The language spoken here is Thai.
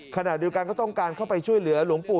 ขณะเดียวกันก็ต้องการเข้าไปช่วยเหลือหลวงปู่